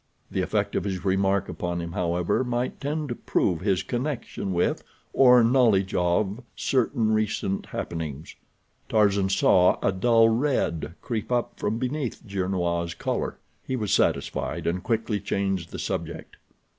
The effect of his remark upon him, however, might tend to prove his connection with, or knowledge of, certain recent happenings. Tarzan saw a dull red creep up from beneath Gernois' collar. He was satisfied, and quickly changed the subject.